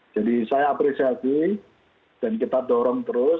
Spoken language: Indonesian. jadi saya apresiati dan kita dorong terus